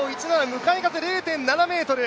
向かい風０．７メートル。